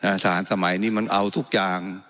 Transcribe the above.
สารสมัยนี้มันเอาทุกอย่าง